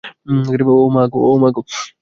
ও মা গো!